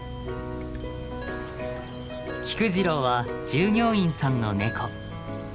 菊次郎は従業員さんのネコ。